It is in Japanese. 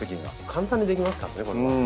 簡単にできますからね。